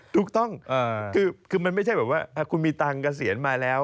ถูกต้องคือมันไม่ใช่แบบว่าคุณมีตังค์เกษียณมาแล้ว